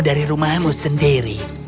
dari rumahmu sendiri